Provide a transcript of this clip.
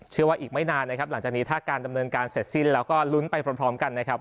เชื่อว่าอีกไม่นานนะครับหลังจากนี้ถ้าการดำเนินการเสร็จสิ้นแล้วก็ลุ้นไปพร้อมกันนะครับ